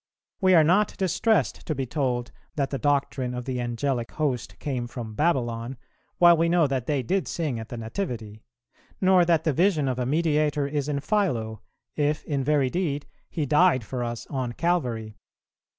We are not distressed to be told that the doctrine of the angelic host came from Babylon, while we know that they did sing at the Nativity; nor that the vision of a Mediator is in Philo, if in very deed He died for us on Calvary.